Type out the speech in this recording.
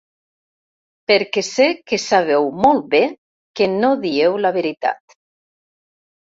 Perquè sé que sabeu molt bé que no dieu la veritat.